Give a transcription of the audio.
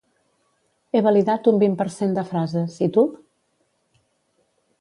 He validat un vint per cent de frases i tu?